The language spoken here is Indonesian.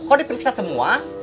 kok dipiksa semua